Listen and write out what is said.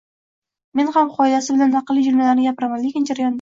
Men ham qoidasi bilan aqlli jumlalarni gapiraman, lekin jarayonda